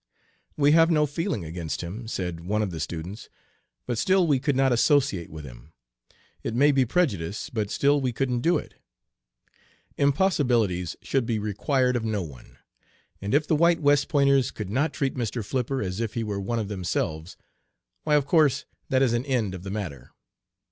'We have no feeling against him,' said one of the students, 'but still we could not associate with him. It may be prejudice, but still we couldn't do it.' Impossibilities should be required of no one, and if the white West Pointers could not treat Mr. Flipper as if he were one of themselves, why of course that is an end of the matter.